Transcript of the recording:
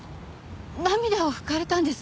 涙を拭かれたんです。